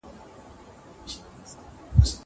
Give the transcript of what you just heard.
ياره زړه مي بل ډول سرورکوي